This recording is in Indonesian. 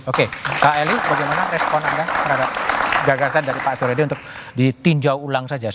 oke pak eli bagaimana respon anda terhadap gagasan dari pak suryadi untuk ditinjau ulang saja